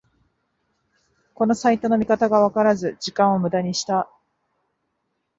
このサイトの見方がわからず時間をムダにした